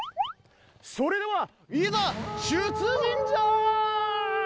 それでは、いざ出陣じゃ！